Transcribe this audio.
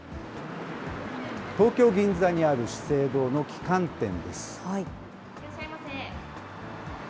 東京・銀座にある資生堂の旗艦店です。